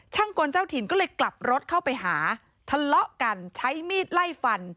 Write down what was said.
กลเจ้าถิ่นก็เลยกลับรถเข้าไปหาทะเลาะกันใช้มีดไล่ฟัน